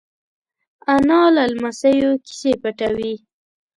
انا له لمسيو کیسې پټوي